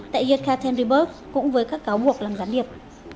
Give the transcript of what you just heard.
tại hiệp karten rebirth cũng với các cáo buộc làm gián điệp